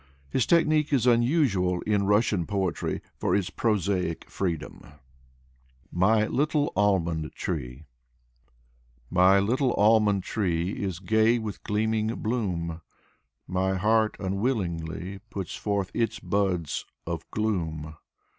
His technique is unusual in Rus sian poetry for its prosodic freedom. 34 Alexey K. Tolstoy 35 MY LITTLE ALMOND TREE My little almond tree Is gay with gleaming bloom, My heart unwillingly Puts forth its buds of gloom.